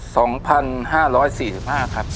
สองพันห้าร้อยสี่สิบห้าครับ